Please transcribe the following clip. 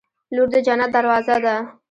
• لور د جنت دروازه ده.